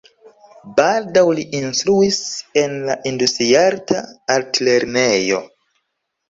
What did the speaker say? Baldaŭ li instruis en la Industriarta Altlernejo.